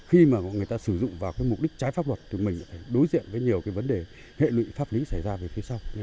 khi mà người ta sử dụng vào mục đích trái pháp luật thì mình đối diện với nhiều vấn đề hệ lụy pháp lý xảy ra về phía sau